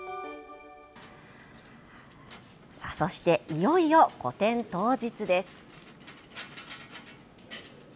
そしていよいよ個展当日です。